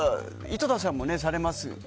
井戸田さんもされますよね。